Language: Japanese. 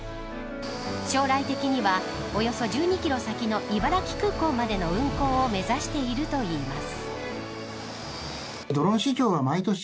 将来的にはおよそ１２キロ先の茨城空港までの運航を目指しているといいます。